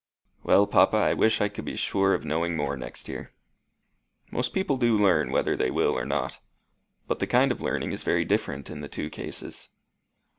"Well, papa, I wish I could be sure of knowing more next year." "Most people do learn, whether they will or not. But the kind of learning is very different in the two cases."